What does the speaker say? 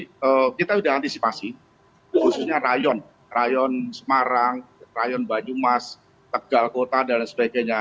kita sudah antisipasi khususnya rayon rayon semarang rayon banyumas tegal kota dan sebagainya